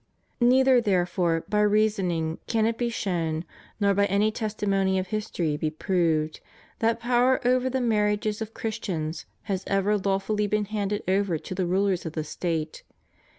Neither there fore by reasoning can it be shown, nor by any testimony of history be proved, that power over the marriages of Christians has ever lawfully been handed over to the rulers of the State.